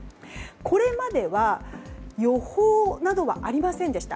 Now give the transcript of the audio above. これまでは、予報などはありませんでした。